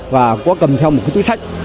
và có cầm theo một cái túi sách